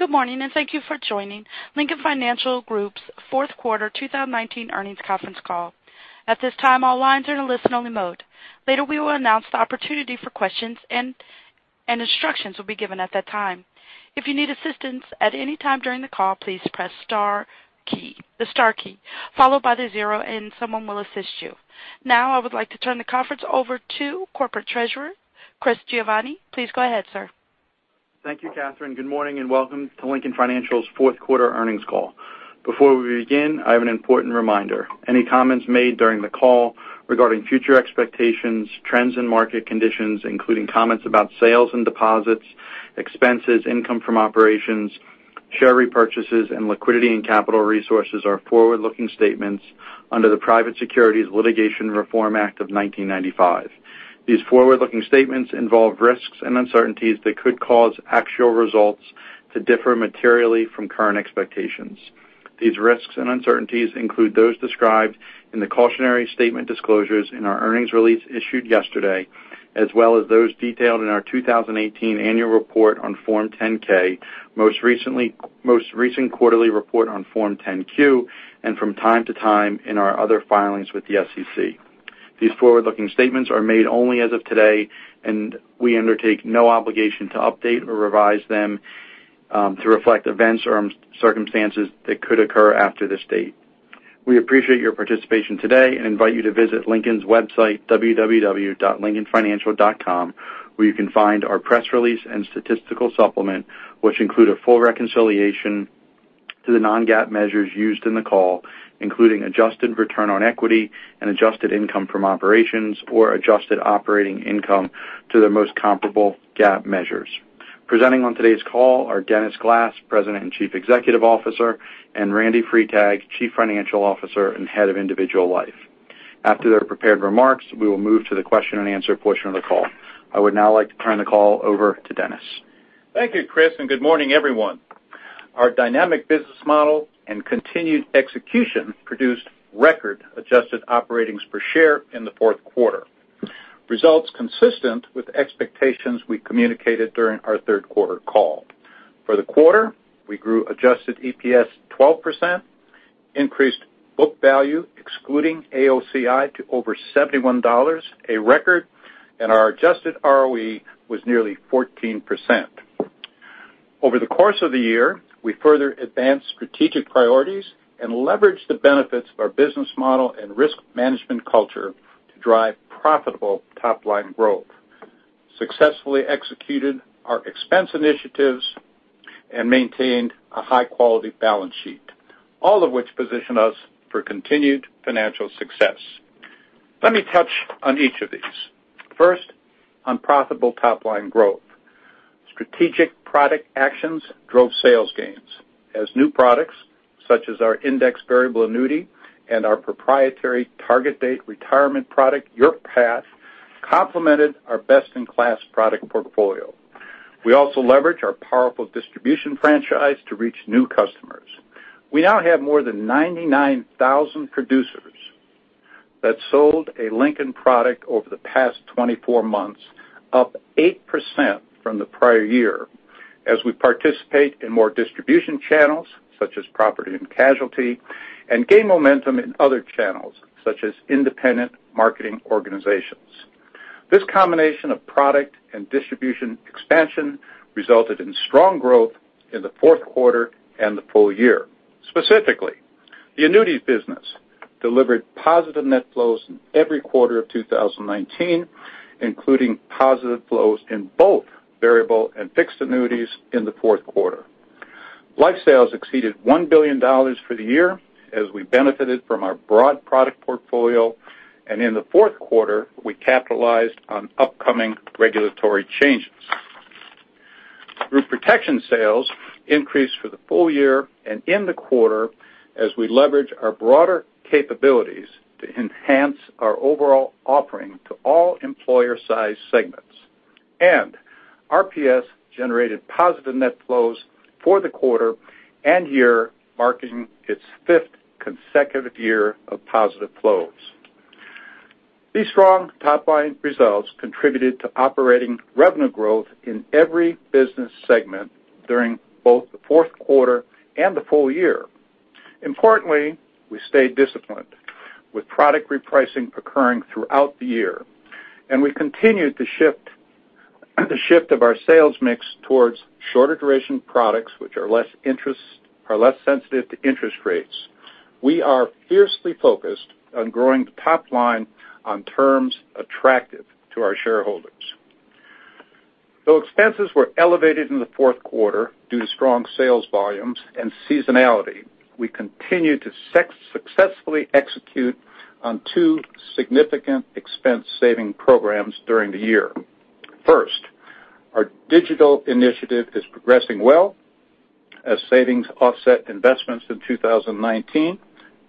Good morning, and thank you for joining Lincoln Financial Group's fourth quarter 2019 earnings conference call. At this time, all lines are in a listen-only mode. Later, we will announce the opportunity for questions and instructions will be given at that time. If you need assistance at any time during the call, please press the star key, followed by the zero and someone will assist you. Now I would like to turn the conference over to Corporate Treasurer, Christopher Giovanni. Please go ahead, sir. Thank you, Catherine. Good morning and welcome to Lincoln Financial's fourth quarter earnings call. Before we begin, I have an important reminder. Any comments made during the call regarding future expectations, trends and market conditions, including comments about sales and deposits, expenses, income from operations, share repurchases and liquidity and capital resources are forward-looking statements under the Private Securities Litigation Reform Act of 1995. These forward-looking statements involve risks and uncertainties that could cause actual results to differ materially from current expectations. These risks and uncertainties include those described in the cautionary statement disclosures in our earnings release issued yesterday, as well as those detailed in our 2018 Annual Report on Form 10-K, most recent quarterly report on Form 10-Q, and from time to time, in our other filings with the SEC. These forward-looking statements are made only as of today. We undertake no obligation to update or revise them to reflect events or circumstances that could occur after this date. We appreciate your participation today and invite you to visit Lincoln's website, www.lincolnfinancial.com, where you can find our press release and statistical supplement, which include a full reconciliation to the non-GAAP measures used in the call, including adjusted return on equity and adjusted income from operations or adjusted operating income to the most comparable GAAP measures. Presenting on today's call are Dennis Glass, President and Chief Executive Officer, and Randal Freitag, Chief Financial Officer and Head of Individual Life. After their prepared remarks, we will move to the question and answer portion of the call. I would now like to turn the call over to Dennis. Thank you, Chris. Good morning, everyone. Our dynamic business model and continued execution produced record adjusted operating per share in the fourth quarter. Results consistent with expectations we communicated during our third quarter call. For the quarter, we grew adjusted EPS 12%, increased book value, excluding AOCI to over $71, a record. Our adjusted ROE was nearly 14%. Over the course of the year, we further advanced strategic priorities and leveraged the benefits of our business model and risk management culture to drive profitable top-line growth, successfully executed our expense initiatives, and maintained a high-quality balance sheet, all of which position us for continued financial success. Let me touch on each of these. First, on profitable top-line growth. Strategic product actions drove sales gains as new products such as our indexed variable annuity and our proprietary target date retirement product, YourPath, complemented our best-in-class product portfolio. We also leverage our powerful distribution franchise to reach new customers. We now have more than 99,000 producers that sold a Lincoln product over the past 24 months, up 8% from the prior year, as we participate in more distribution channels such as property and casualty, and gain momentum in other channels such as independent marketing organizations. This combination of product and distribution expansion resulted in strong growth in the fourth quarter and the full year. Specifically, the annuities business delivered positive net flows in every quarter of 2019, including positive flows in both variable and fixed annuities in the fourth quarter. Life sales exceeded $1 billion for the year as we benefited from our broad product portfolio, and in the fourth quarter, we capitalized on upcoming regulatory changes. Group Protection sales increased for the full year and in the quarter as we leverage our broader capabilities to enhance our overall offering to all employer size segments. RPS generated positive net flows for the quarter and year marking its fifth consecutive year of positive flows. These strong top-line results contributed to operating revenue growth in every business segment during both the fourth quarter and the full year. Importantly, we stayed disciplined with product repricing occurring throughout the year, and we continued the shift of our sales mix towards shorter duration products which are less sensitive to interest rates. We are fiercely focused on growing top line on terms attractive to our shareholders. Though expenses were elevated in the fourth quarter due to strong sales volumes and seasonality, we continued to successfully execute on two significant expense saving programs during the year. First, our digital initiative is progressing well as savings offset investments in 2019,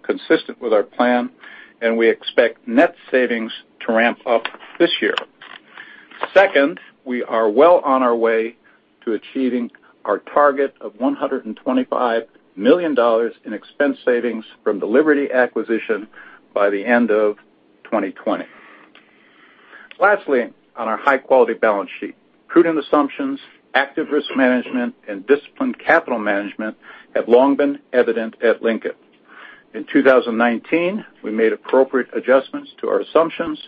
consistent with our plan, and we expect net savings to ramp up this year. We are well on our way to achieving our target of $125 million in expense savings from the Liberty acquisition by the end of 2020. Lastly, on our high-quality balance sheet, prudent assumptions, active risk management, and disciplined capital management have long been evident at Lincoln. In 2019, we made appropriate adjustments to our assumptions,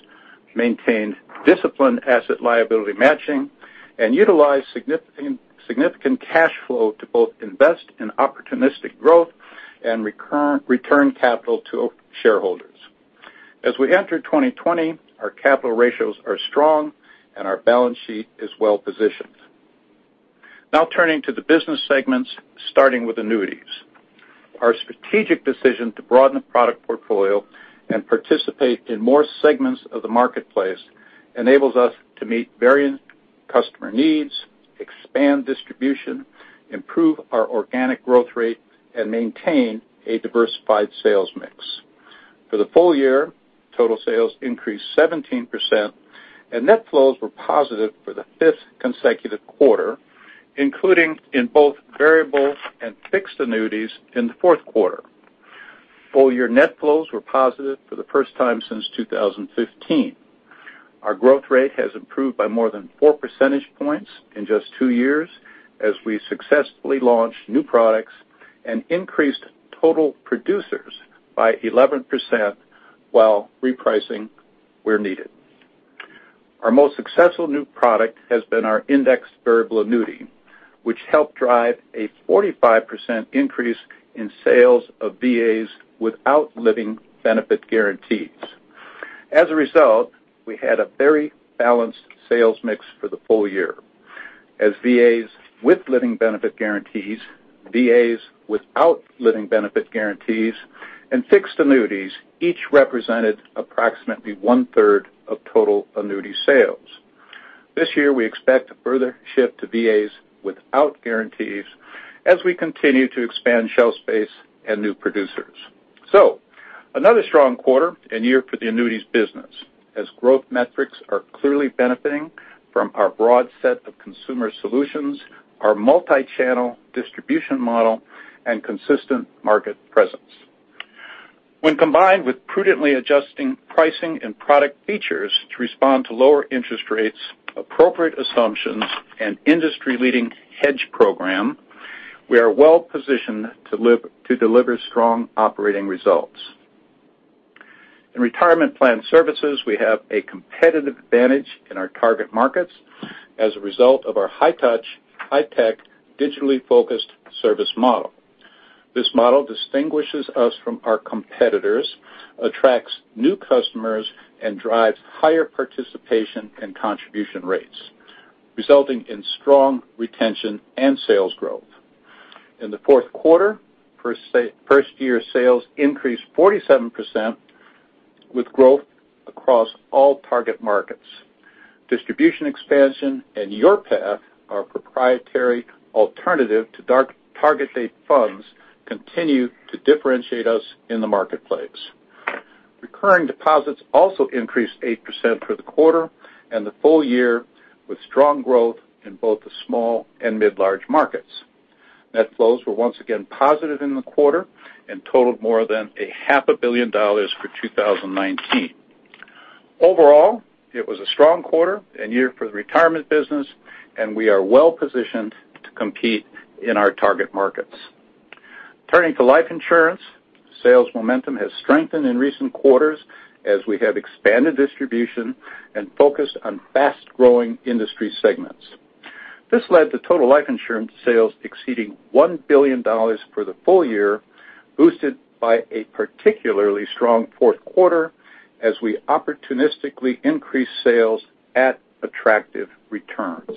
maintained disciplined asset liability matching, and utilized significant cash flow to both invest in opportunistic growth and return capital to shareholders. As we enter 2020, our capital ratios are strong, and our balance sheet is well-positioned. Now turning to the business segments, starting with annuities. Our strategic decision to broaden the product portfolio and participate in more segments of the marketplace enables us to meet varying customer needs, expand distribution, improve our organic growth rate, and maintain a diversified sales mix. For the full year, total sales increased 17%, and net flows were positive for the fifth consecutive quarter, including in both variable and fixed annuities in the fourth quarter. Full-year net flows were positive for the first time since 2015. Our growth rate has improved by more than four percentage points in just two years as we successfully launched new products and increased total producers by 11%, while repricing where needed. Our most successful new product has been our indexed variable annuity, which helped drive a 45% increase in sales of VAs without living benefit guarantees. As a result, we had a very balanced sales mix for the full year, as VAs with living benefit guarantees, VAs without living benefit guarantees, and fixed annuities each represented approximately one-third of total annuity sales. This year, we expect to further shift to VAs without guarantees as we continue to expand shelf space and new producers. Another strong quarter and year for the annuities business, as growth metrics are clearly benefiting from our broad set of consumer solutions, our multi-channel distribution model, and consistent market presence. When combined with prudently adjusting pricing and product features to respond to lower interest rates, appropriate assumptions, and industry-leading hedge program, we are well positioned to deliver strong operating results. In Retirement Plan Services, we have a competitive advantage in our target markets as a result of our high-touch, high-tech, digitally focused service model. This model distinguishes us from our competitors, attracts new customers, and drives higher participation and contribution rates, resulting in strong retention and sales growth. In the fourth quarter, first-year sales increased 47%, with growth across all target markets. Distribution expansion and YourPath, our proprietary alternative to target date funds, continue to differentiate us in the marketplace. Recurring deposits also increased 8% for the quarter and the full year, with strong growth in both the small and mid large markets. Net flows were once again positive in the quarter and totaled more than a half a billion dollars for 2019. Overall, it was a strong quarter and year for the Retirement Business, and we are well-positioned to compete in our target markets. Turning to Life Insurance, sales momentum has strengthened in recent quarters as we have expanded distribution and focused on fast-growing industry segments. This led to total Life Insurance sales exceeding $1 billion for the full year, boosted by a particularly strong fourth quarter as we opportunistically increased sales at attractive returns.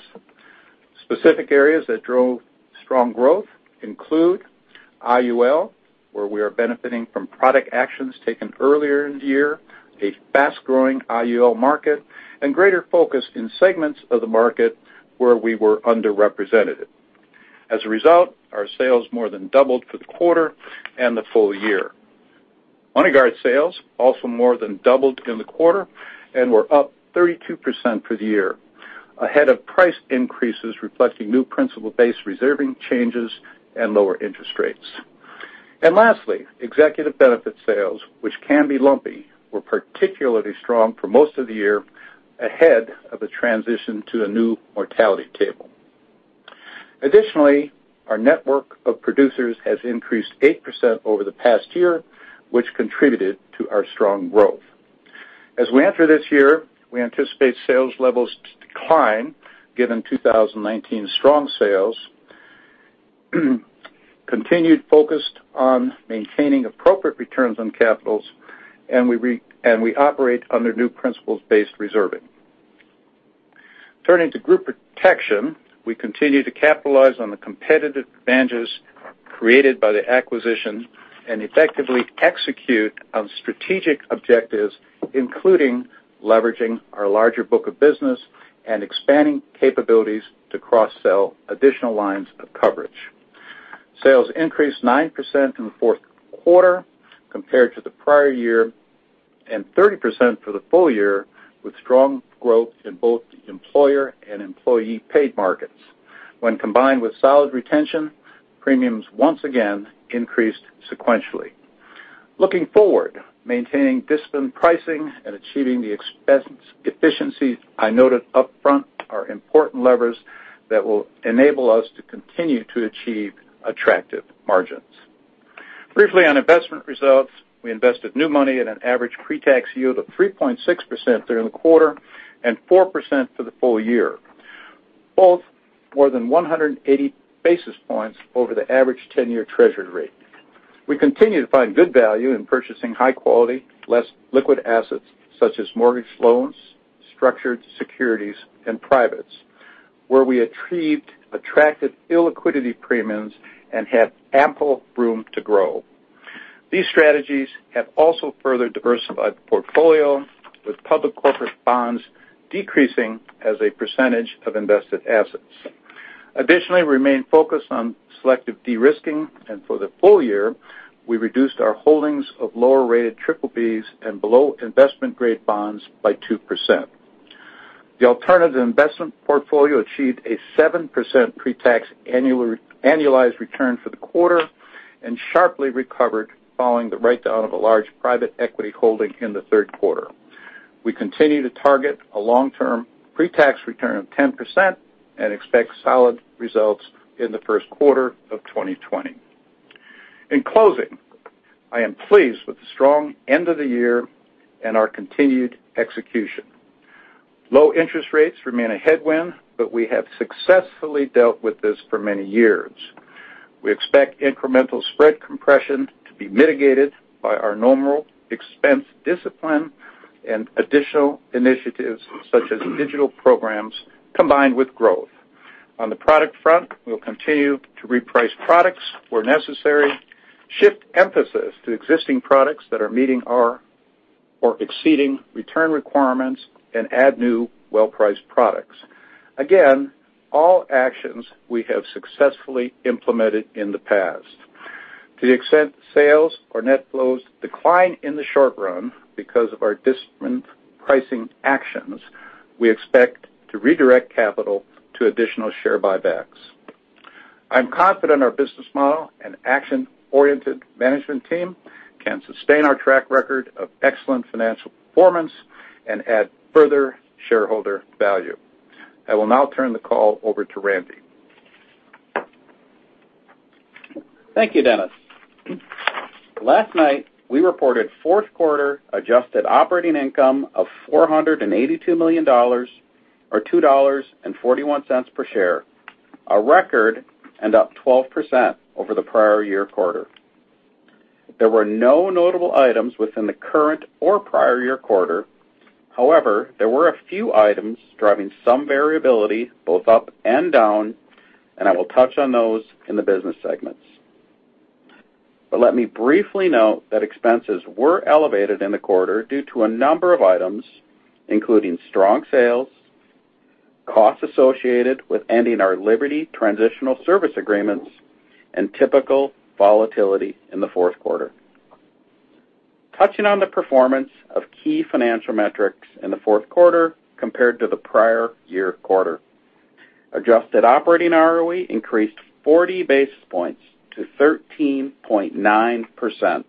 Specific areas that drove strong growth include IUL, where we are benefiting from product actions taken earlier in the year, a fast-growing IUL market, and greater focus in segments of the market where we were underrepresented. As a result, our sales more than doubled for the quarter and the full year. MoneyGuard sales also more than doubled in the quarter and were up 32% for the year, ahead of price increases reflecting new principle-based reserving changes and lower interest rates. Lastly, executive benefit sales, which can be lumpy, were particularly strong for most of the year ahead of a transition to a new mortality table. Additionally, our network of producers has increased 8% over the past year, which contributed to our strong growth. As we enter this year, we anticipate sales levels to decline given 2019's strong sales, continued focus on maintaining appropriate returns on capitals, and we operate under new principle-based reserving. Turning to Group Protection, we continue to capitalize on the competitive advantages created by the acquisition and effectively execute on strategic objectives, including leveraging our larger book of business and expanding capabilities to cross-sell additional lines of coverage. Sales increased 9% in the fourth quarter compared to the prior year and 30% for the full year, with strong growth in both employer and employee paid markets. When combined with solid retention, premiums once again increased sequentially. Looking forward, maintaining disciplined pricing and achieving the expense efficiencies I noted upfront are important levers that will enable us to continue to achieve attractive margins. Briefly on investment results, we invested new money at an average pretax yield of 3.6% during the quarter and 4% for the full year, both more than 180 basis points over the average 10-year Treasury rate. We continue to find good value in purchasing high-quality, less liquid assets such as mortgage loans, structured securities, and privates, where we achieved attractive illiquidity premiums and have ample room to grow. These strategies have also further diversified the portfolio, with public corporate bonds decreasing as a percentage of invested assets. We remain focused on selective de-risking, and for the full year, we reduced our holdings of lower-rated triple Bs and below investment-grade bonds by 2%. The alternative investment portfolio achieved a 7% pretax annualized return for the quarter, and sharply recovered following the write-down of a large private equity holding in the third quarter. We continue to target a long-term pretax return of 10% and expect solid results in the first quarter of 2020. In closing, I am pleased with the strong end of the year and our continued execution. Low interest rates remain a headwind, we have successfully dealt with this for many years. We expect incremental spread compression to be mitigated by our normal expense discipline and additional initiatives such as digital programs, combined with growth. On the product front, we will continue to reprice products where necessary, shift emphasis to existing products that are meeting or exceeding return requirements, and add new well-priced products. Again, all actions we have successfully implemented in the past. To the extent sales or net flows decline in the short run because of our disciplined pricing actions, we expect to redirect capital to additional share buybacks. I'm confident our business model and action-oriented management team can sustain our track record of excellent financial performance and add further shareholder value. I will now turn the call over to Randy. Thank you, Dennis. Last night, we reported fourth quarter adjusted operating income of $482 million, or $2.41 per share, a record, up 12% over the prior year quarter. There were no notable items within the current or prior year quarter. There were a few items driving some variability both up and down, I will touch on those in the business segments. Let me briefly note that expenses were elevated in the quarter due to a number of items, including strong sales, costs associated with ending our Liberty Transitional Service Agreements, and typical volatility in the fourth quarter. Touching on the performance of key financial metrics in the fourth quarter compared to the prior year quarter. Adjusted operating ROE increased 40 basis points to 13.9%.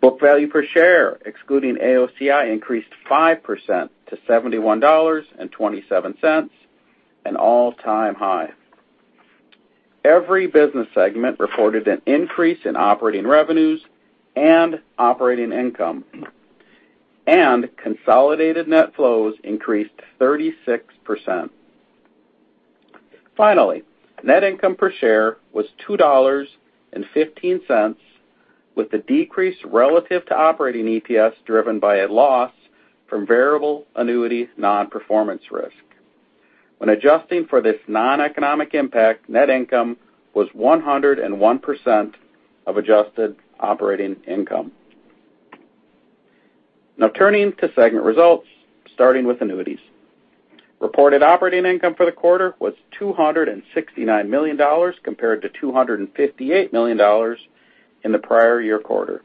Book value per share, excluding AOCI, increased 5% to $71.27, an all-time high. Every business segment reported an increase in operating revenues and operating income, consolidated net flows increased 36%. Finally, net income per share was $2.15, with the decrease relative to operating EPS driven by a loss from variable annuity non-performance risk. When adjusting for this non-economic impact, net income was 101% of adjusted operating income. Turning to segment results, starting with annuities. Reported operating income for the quarter was $269 million compared to $258 million in the prior year quarter.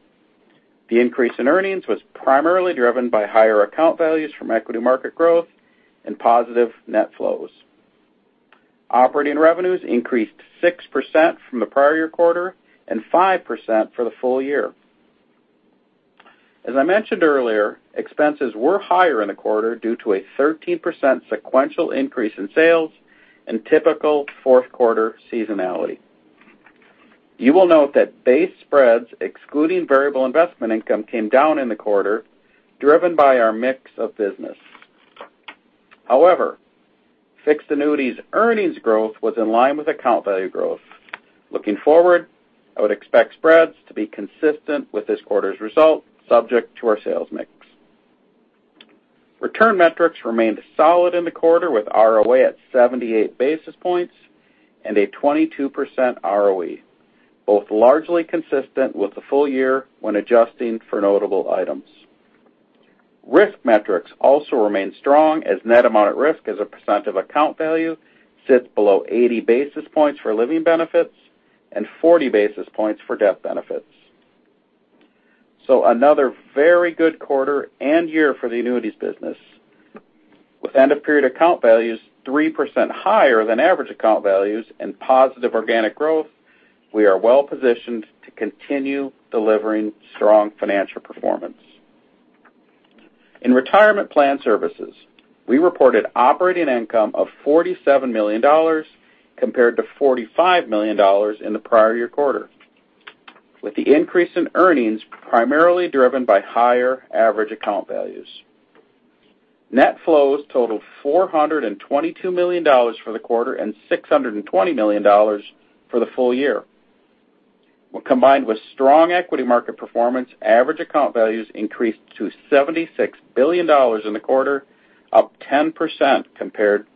The increase in earnings was primarily driven by higher account values from equity market growth and positive net flows. Operating revenues increased 6% from the prior year quarter and 5% for the full year. As I mentioned earlier, expenses were higher in the quarter due to a 13% sequential increase in sales and typical fourth quarter seasonality. You will note that base spreads excluding variable investment income came down in the quarter, driven by our mix of business. However, fixed annuities earnings growth was in line with account value growth. Looking forward, I would expect spreads to be consistent with this quarter's result, subject to our sales mix. Return metrics remained solid in the quarter with ROA at 78 basis points and a 22% ROE, both largely consistent with the full year when adjusting for notable items. Risk metrics also remain strong, as net amount at risk as a percent of account value sits below 80 basis points for living benefits and 40 basis points for death benefits. Another very good quarter and year for the annuities business. With end-of-period account values 3% higher than average account values and positive organic growth, we are well-positioned to continue delivering strong financial performance. In Retirement Plan Services, we reported operating income of $47 million compared to $45 million in the prior year quarter, with the increase in earnings primarily driven by higher average account values. Net flows totaled $422 million for the quarter and $620 million for the full year. When combined with strong equity market performance, average account values increased to $76 billion in the quarter, up 10% compared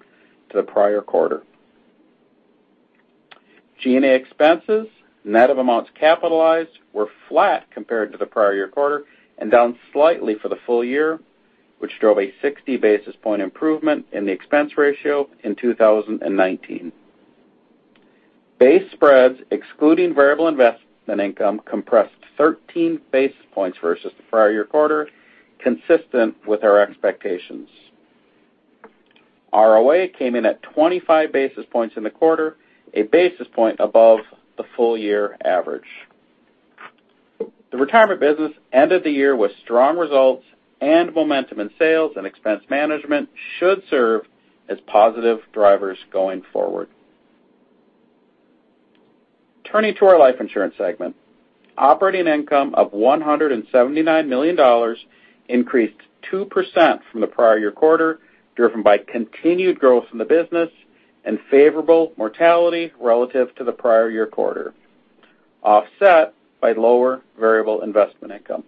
to the prior quarter. G&A expenses, net of amounts capitalized, were flat compared to the prior year quarter and down slightly for the full year, which drove a 60-basis-point improvement in the expense ratio in 2019. Base spreads, excluding variable investment income, compressed 13 basis points versus the prior year quarter, consistent with our expectations. ROA came in at 25 basis points in the quarter, a basis point above the full year average. The Retirement business ended the year with strong results, momentum in sales and expense management should serve as positive drivers going forward. Turning to our Life Insurance segment. Operating income of $179 million increased 2% from the prior year quarter, driven by continued growth in the business and favorable mortality relative to the prior year quarter, offset by lower variable investment income.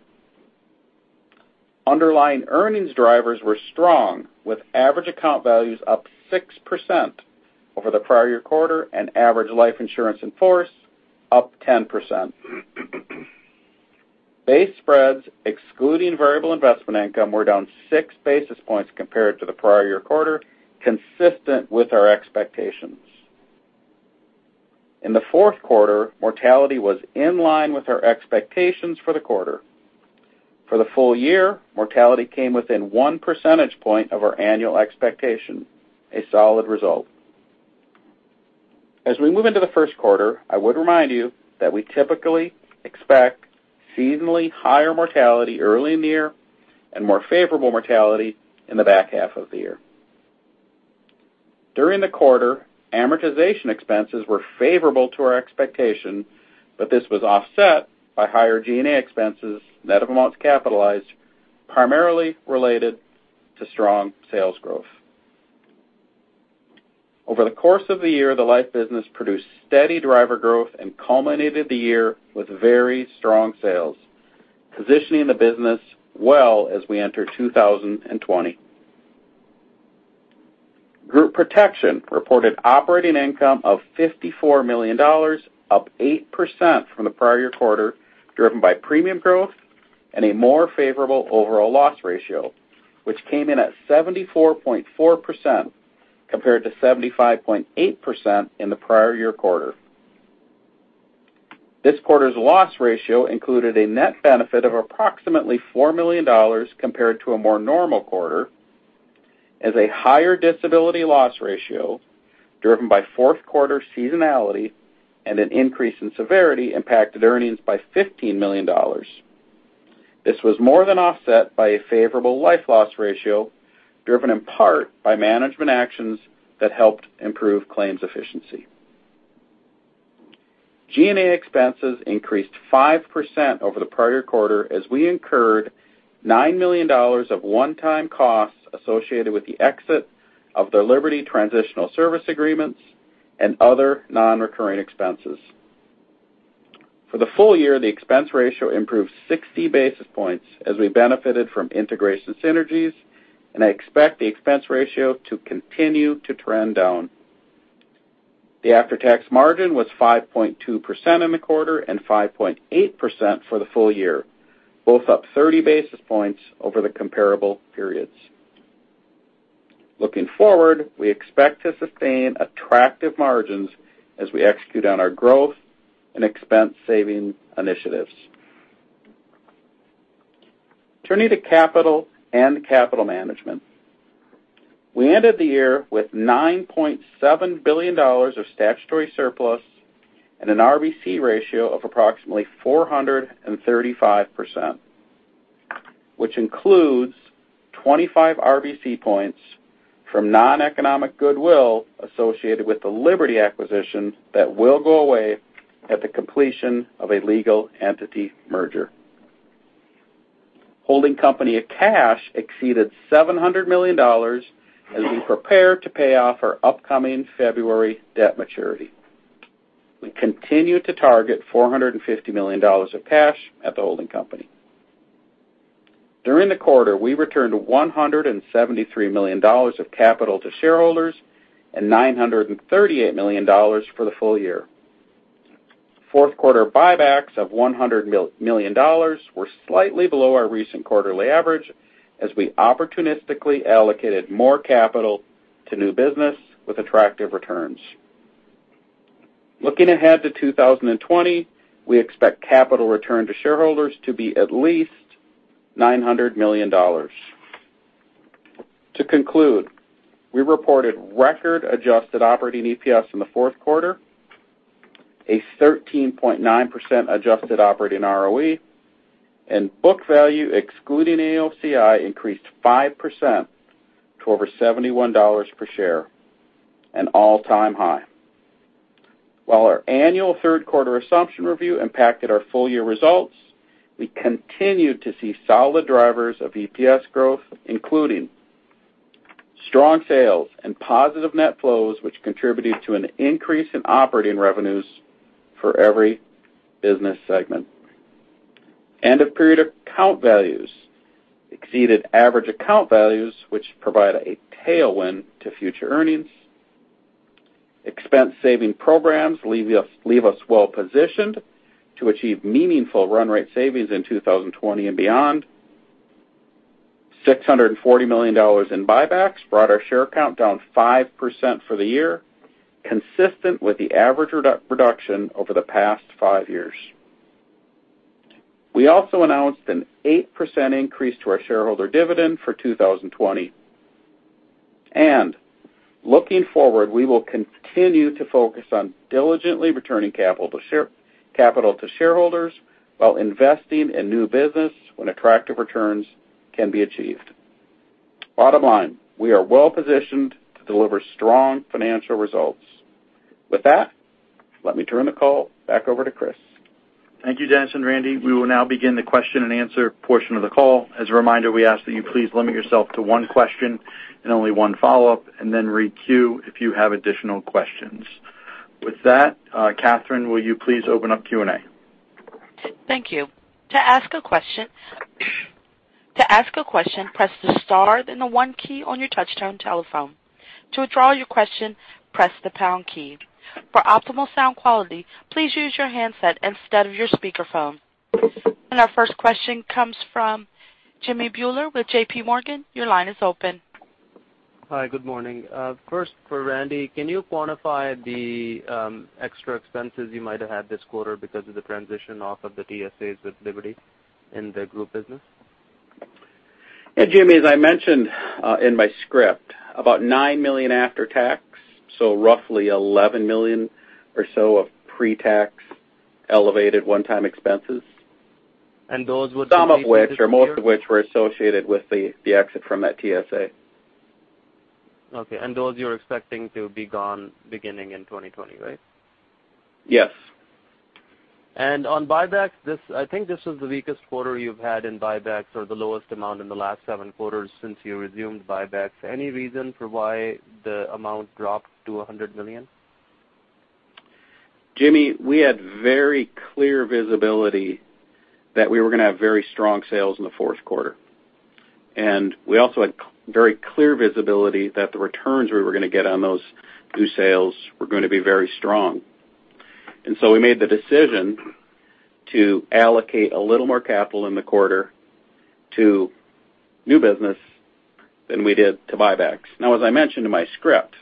Underlying earnings drivers were strong, with average account values up 6% over the prior year quarter and average life insurance in force up 10%. Base spreads excluding variable investment income were down 6 basis points compared to the prior year quarter, consistent with our expectations. In the fourth quarter, mortality was in line with our expectations for the quarter. For the full year, mortality came within one percentage point of our annual expectation, a solid result. As we move into the first quarter, I would remind you that we typically expect seasonally higher mortality early in the year and more favorable mortality in the back half of the year. During the quarter, amortization expenses were favorable to our expectation. This was offset by higher G&A expenses, net of amounts capitalized, primarily related to strong sales growth. Over the course of the year, the Life business produced steady driver growth and culminated the year with very strong sales, positioning the business well as we enter 2020. Group Protection reported operating income of $54 million, up 8% from the prior year quarter, driven by premium growth and a more favorable overall loss ratio, which came in at 74.4% compared to 75.8% in the prior year quarter. This quarter's loss ratio included a net benefit of approximately $4 million compared to a more normal quarter as a higher disability loss ratio, driven by fourth quarter seasonality and an increase in severity impacted earnings by $15 million. This was more than offset by a favorable life loss ratio, driven in part by management actions that helped improve claims efficiency. G&A expenses increased 5% over the prior quarter as we incurred $9 million of one-time costs associated with the exit of the Liberty Transitional Service Agreements and other non-recurring expenses. For the full year, the expense ratio improved 60 basis points as we benefited from integration synergies. I expect the expense ratio to continue to trend down. The after-tax margin was 5.2% in the quarter and 5.8% for the full year, both up 30 basis points over the comparable periods. Looking forward, we expect to sustain attractive margins as we execute on our growth and expense saving initiatives. Turning to capital and capital management. We ended the year with $9.7 billion of statutory surplus and an RBC ratio of approximately 435%, which includes 25 RBC points from non-economic goodwill associated with the Liberty acquisition that will go away at the completion of a legal entity merger. Holding company of cash exceeded $700 million as we prepare to pay off our upcoming February debt maturity. We continue to target $450 million of cash at the holding company. During the quarter, we returned $173 million of capital to shareholders and $938 million for the full year. Fourth quarter buybacks of $100 million were slightly below our recent quarterly average as we opportunistically allocated more capital to new business with attractive returns. Looking ahead to 2020, we expect capital return to shareholders to be at least $900 million. To conclude, we reported record adjusted operating EPS in the fourth quarter, a 13.9% adjusted operating ROE, and book value excluding AOCI increased 5% to over $71 per share, an all-time high. While our annual third quarter assumption review impacted our full-year results, we continued to see solid drivers of EPS growth, including strong sales and positive net flows, which contributed to an increase in operating revenues for every business segment. End-of-period account values exceeded average account values, which provide a tailwind to future earnings. Expense saving programs leave us well-positioned to achieve meaningful run rate savings in 2020 and beyond. $640 million in buybacks brought our share count down 5% for the year, consistent with the average reduction over the past five years. We also announced an 8% increase to our shareholder dividend for 2020. Looking forward, we will continue to focus on diligently returning capital to shareholders while investing in new business when attractive returns can be achieved. Bottom line, we are well-positioned to deliver strong financial results. With that, let me turn the call back over to Chris. Thank you, Dennis and Randy. We will now begin the question and answer portion of the call. As a reminder, we ask that you please limit yourself to one question and only one follow-up, then re-queue if you have additional questions. With that, Catherine, will you please open up Q&A? Thank you. To ask a question, press the star then the one key on your touchtone telephone. To withdraw your question, press the pound key. For optimal sound quality, please use your handset instead of your speakerphone. Our first question comes from Jimmy Bhullar with J.P. Morgan. Your line is open. Hi. Good morning. First for Randy, can you quantify the extra expenses you might have had this quarter because of the transition off of the TSAs with Liberty in the group business? Yeah, Jimmy, as I mentioned in my script, about $9 million after tax, so roughly $11 million or so of pre-tax elevated one-time expenses. Those would be. Some of which, or most of which were associated with the exit from that TSA. Okay. Those you're expecting to be gone beginning in 2020, right? Yes. I think this was the weakest quarter you've had in buybacks or the lowest amount in the last seven quarters since you resumed buybacks. Any reason for why the amount dropped to $100 million? Hans, we had very clear visibility that we were going to have very strong sales in the fourth quarter. We also had very clear visibility that the returns we were going to get on those new sales were going to be very strong. We made the decision to allocate a little more capital in the quarter to new business than we did to buybacks. As I mentioned in my script,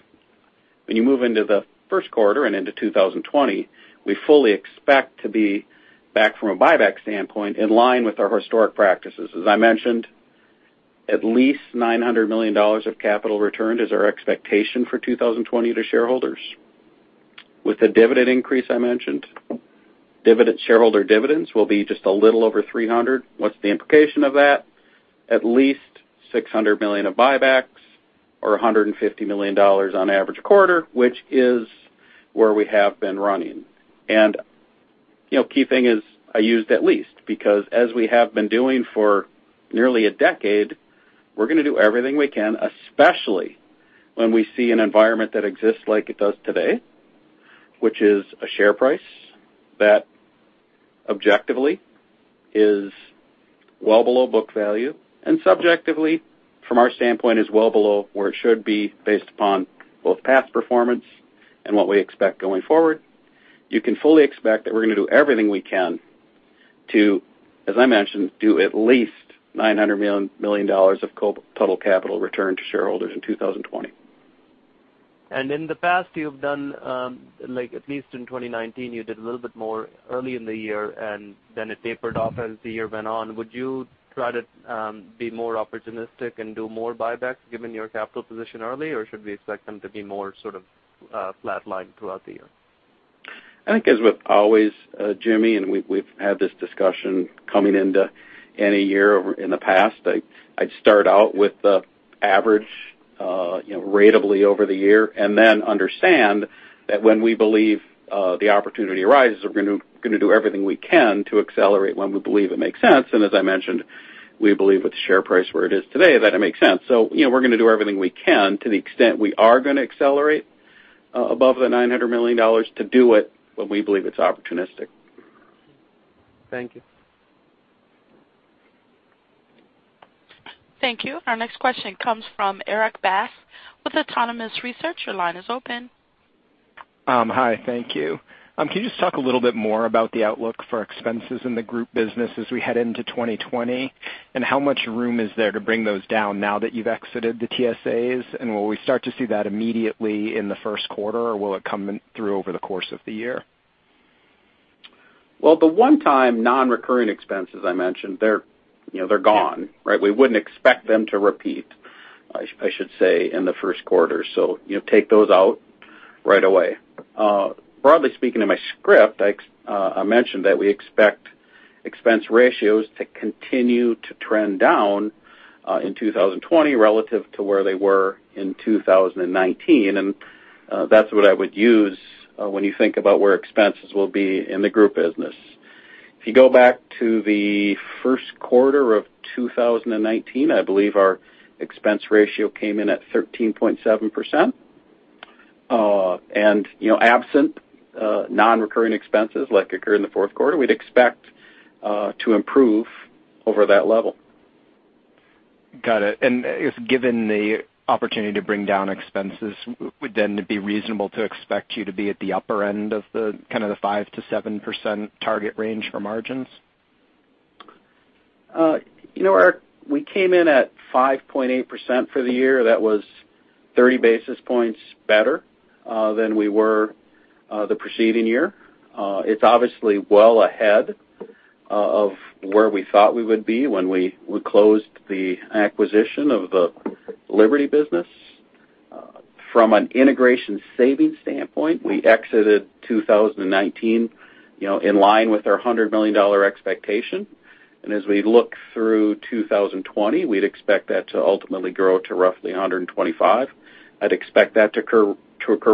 when you move into the first quarter and into 2020, we fully expect to be back from a buyback standpoint in line with our historic practices. As I mentioned, at least $900 million of capital returned is our expectation for 2020 to shareholders. With the dividend increase I mentioned, shareholder dividends will be just a little over $300 million. What's the implication of that? At least $600 million of buybacks or $150 million on average quarter, which is where we have been running. Key thing is I used at least, because as we have been doing for nearly a decade, we're going to do everything we can, especially when we see an environment that exists like it does today, which is a share price that objectively is well below book value, and subjectively, from our standpoint, is well below where it should be based upon both past performance and what we expect going forward. You can fully expect that we're going to do everything we can to, as I mentioned, do at least $900 million of total capital return to shareholders in 2020. In the past you've done, at least in 2019, you did a little bit more early in the year, then it tapered off as the year went on. Would you try to be more opportunistic and do more buybacks given your capital position early, or should we expect them to be more sort of flatlined throughout the year? I think as with always, Jimmy, and we've had this discussion coming into any year in the past, I'd start out with the average ratably over the year, and then understand that when we believe the opportunity arises, we're going to do everything we can to accelerate when we believe it makes sense. As I mentioned, we believe with the share price where it is today, that it makes sense. We're going to do everything we can to the extent we are going to accelerate above the $900 million to do it when we believe it's opportunistic. Thank you. Thank you. Our next question comes from Erik Bass with Autonomous Research. Your line is open. Hi. Thank you. Can you just talk a little bit more about the outlook for expenses in the group business as we head into 2020? How much room is there to bring those down now that you've exited the TSAs? Will we start to see that immediately in the first quarter, or will it come through over the course of the year? Well, the one-time non-recurring expenses I mentioned, they're gone. We wouldn't expect them to repeat, I should say, in the first quarter. Take those out right away. Broadly speaking, in my script, I mentioned that we expect expense ratios to continue to trend down in 2020 relative to where they were in 2019, and that's what I would use when you think about where expenses will be in the group business. If you go back to the first quarter of 2019, I believe our expense ratio came in at 13.7%. Absent non-recurring expenses like occurred in the fourth quarter, we'd expect to improve over that level. Got it. I guess given the opportunity to bring down expenses, would then it be reasonable to expect you to be at the upper end of the 5%-7% target range for margins? Erik, we came in at 5.8% for the year. That was 30 basis points better than we were the preceding year. It's obviously well ahead of where we thought we would be when we closed the acquisition of the Liberty business. From an integration savings standpoint, we exited 2019 in line with our $100 million expectation. As we look through 2020, we'd expect that to ultimately grow to roughly $125 million. I'd expect that to occur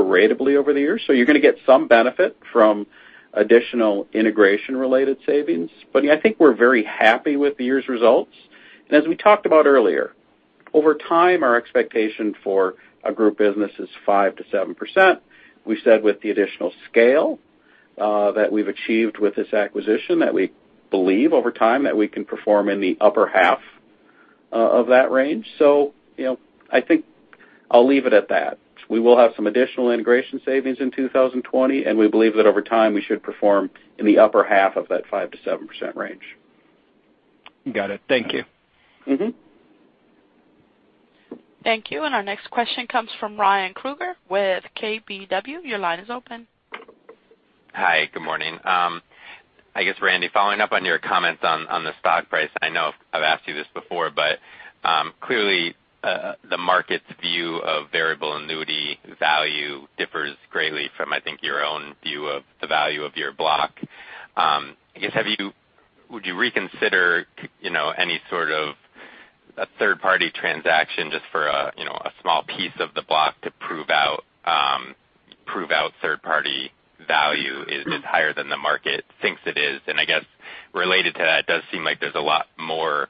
ratably over the years. You're going to get some benefit from additional integration-related savings. I think we're very happy with the year's results. As we talked about earlier, over time, our expectation for a group business is 5%-7%. We said with the additional scale that we've achieved with this acquisition, that we believe over time that we can perform in the upper half of that range. I think I'll leave it at that. We will have some additional integration savings in 2020, and we believe that over time we should perform in the upper half of that 5%-7% range. Got it. Thank you. Thank you. Our next question comes from Ryan Krueger with KBW. Your line is open. Hi, good morning. I guess, Randy, following up on your comments on the stock price. I know I've asked you this before, but clearly, the market's view of variable annuity value differs greatly from, I think, your own view of the value of your block. I guess, would you reconsider any sort of a third-party transaction just for a small piece of the block to prove out third party value is higher than the market thinks it is? I guess related to that, it does seem like there's a lot more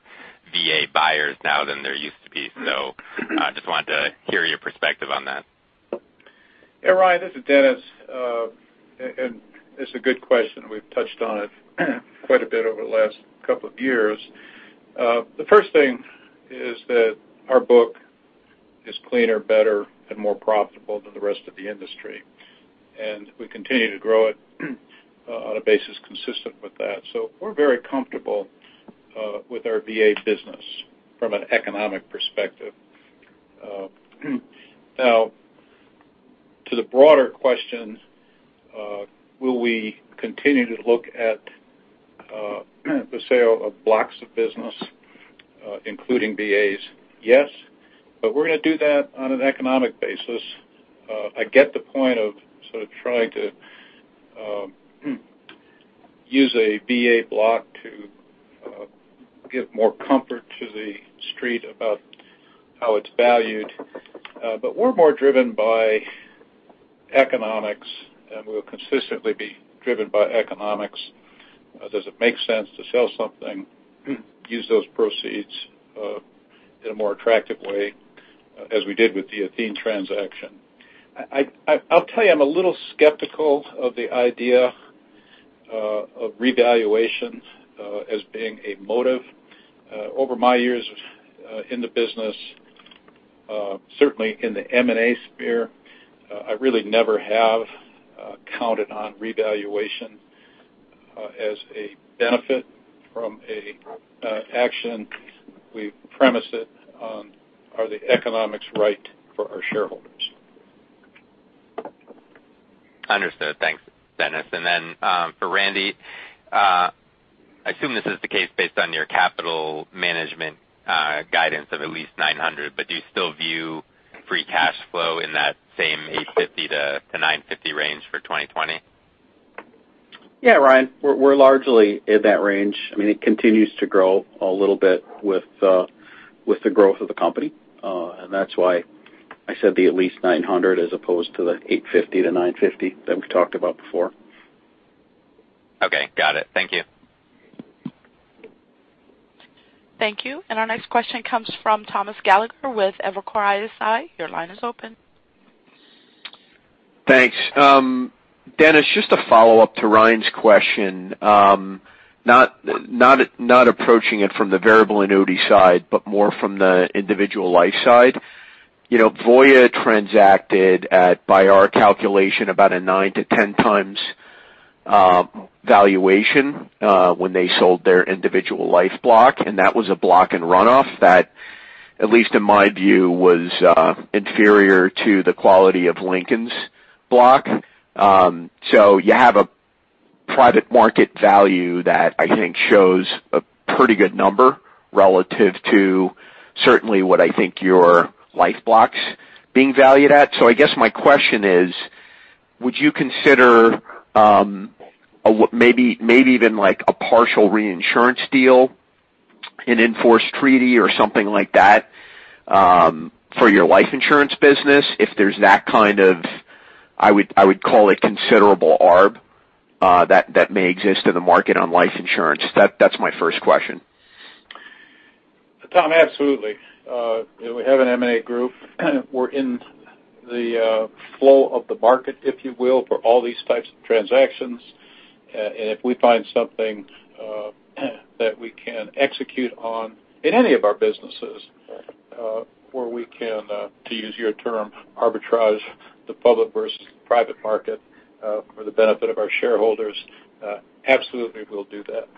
VA buyers now than there used to be. I just wanted to hear your perspective on that. Yeah, Ryan, this is Dennis. It's a good question. We've touched on it quite a bit over the last couple of years. The first thing is that our book is cleaner, better, and more profitable than the rest of the industry, and we continue to grow it on a basis consistent with that. We're very comfortable with our VA business from an economic perspective. Now, to the broader question, will we continue to look at the sale of blocks of business including VAs? Yes, we're going to do that on an economic basis. I get the point of sort of trying to use a VA block to give more comfort to the street about how it's valued. We're more driven by economics, and we'll consistently be driven by economics. Does it make sense to sell something, use those proceeds in a more attractive way as we did with the Athene transaction? I'll tell you, I'm a little skeptical of the idea of revaluation as being a motive. Over my years in the business, certainly in the M&A sphere, I really never have counted on revaluation as a benefit from an action. We premise it on, are the economics right for our shareholders? Understood. Thanks, Dennis. For Randy, I assume this is the case based on your capital management guidance of at least $900, but do you still view free cash flow in that same $850-$950 range for 2020? Yeah, Ryan. We're largely in that range. It continues to grow a little bit with the growth of the company. That's why I said the at least $900 as opposed to the $850-$950 that we talked about before. Okay. Got it. Thank you. Thank you. Our next question comes from Thomas Gallagher with Evercore ISI. Your line is open. Thanks. Dennis, just a follow-up to Ryan's question. Not approaching it from the variable annuity side, but more from the individual life side. Voya transacted at, by our calculation, about a 9 to 10 times valuation when they sold their individual life block, and that was a block in runoff that At least in my view, was inferior to the quality of Lincoln's block. You have a private market value that I think shows a pretty good number relative to certainly what I think your life block's being valued at. I guess my question is: would you consider maybe even a partial reinsurance deal, an in-force treaty or something like that for your life insurance business if there's that kind of, I would call it considerable arb, that may exist in the market on life insurance? That's my first question. Tom, absolutely. We have an M&A group. We're in the flow of the market, if you will, for all these types of transactions. If we find something that we can execute on in any of our businesses, where we can, to use your term, arbitrage the public versus private market for the benefit of our shareholders, absolutely, we'll do that.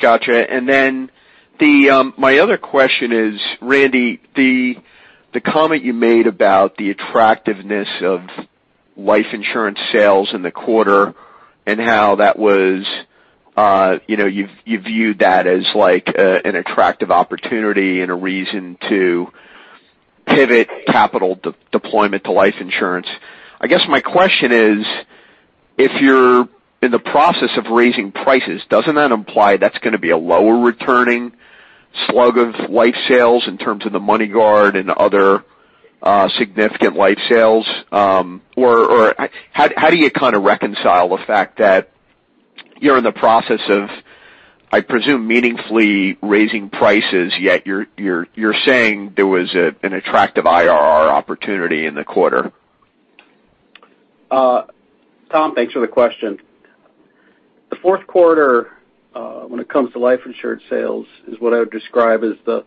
Got you. My other question is, Randy, the comment you made about the attractiveness of life insurance sales in the quarter, and how you viewed that as an attractive opportunity and a reason to pivot capital deployment to life insurance. I guess my question is, if you're in the process of raising prices, doesn't that imply that's going to be a lower returning slug of life sales in terms of the MoneyGuard and other significant life sales? Or how do you kind of reconcile the fact that you're in the process of, I presume, meaningfully raising prices, yet you're saying there was an attractive IRR opportunity in the quarter? Tom, thanks for the question. The fourth quarter, when it comes to life insurance sales, is what I would describe as the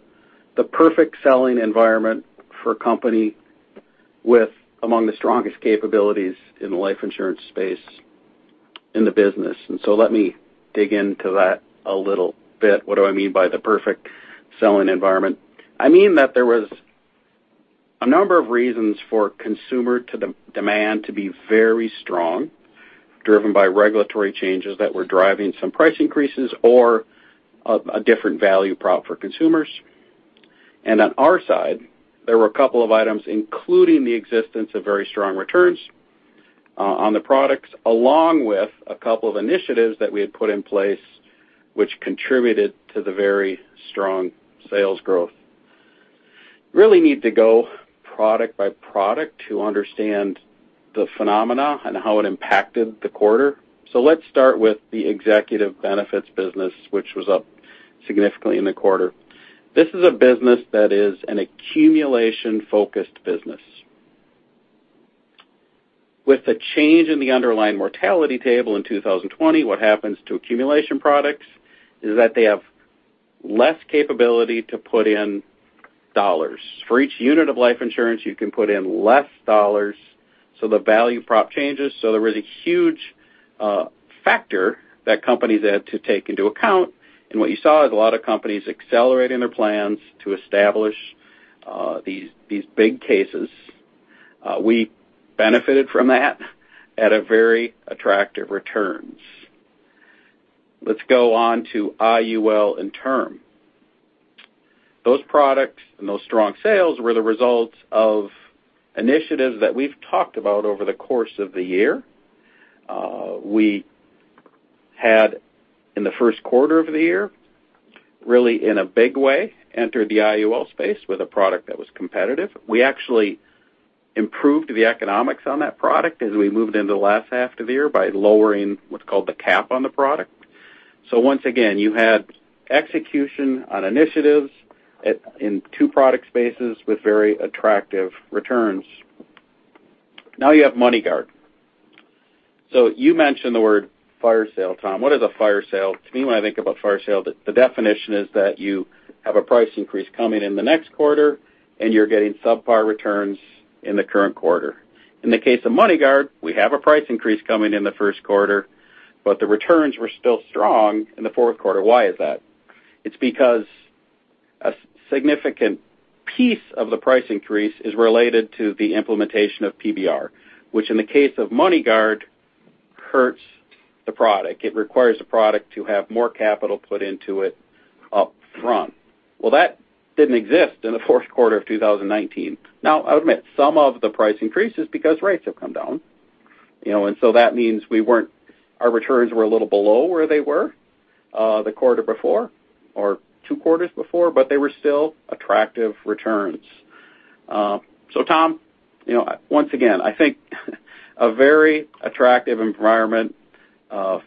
perfect selling environment for a company with among the strongest capabilities in the life insurance space in the business. Let me dig into that a little bit. What do I mean by the perfect selling environment? I mean that there was a number of reasons for consumer demand to be very strong, driven by regulatory changes that were driving some price increases or a different value prop for consumers. On our side, there were a couple of items, including the existence of very strong returns on the products, along with a couple of initiatives that we had put in place which contributed to the very strong sales growth. Really need to go product by product to understand the phenomena and how it impacted the quarter. Let's start with the executive benefits business, which was up significantly in the quarter. This is a business that is an accumulation-focused business. With the change in the underlying mortality table in 2020, what happens to accumulation products is that they have less capability to put in dollars. For each unit of life insurance, you can put in less dollars, the value prop changes. There was a huge factor that companies had to take into account, and what you saw is a lot of companies accelerating their plans to establish these big cases. We benefited from that at a very attractive returns. Let's go on to IUL and term. Those products and those strong sales were the results of initiatives that we've talked about over the course of the year. We had, in the first quarter of the year, really in a big way, entered the IUL space with a product that was competitive. We actually improved the economics on that product as we moved into the last half of the year by lowering what's called the cap on the product. Once again, you had execution on initiatives in two product spaces with very attractive returns. Now you have MoneyGuard. You mentioned the word fire sale, Tom. What is a fire sale? To me, when I think of a fire sale, the definition is that you have a price increase coming in the next quarter, and you're getting subpar returns in the current quarter. In the case of MoneyGuard, we have a price increase coming in the first quarter, but the returns were still strong in the fourth quarter. Why is that? It's because a significant piece of the price increase is related to the implementation of PBR, which in the case of MoneyGuard, hurts the product. It requires the product to have more capital put into it up front. Well, that didn't exist in the fourth quarter of 2019. I'll admit, some of the price increase is because rates have come down. That means our returns were a little below where they were the quarter before or two quarters before, but they were still attractive returns. Tom, once again, I think a very attractive environment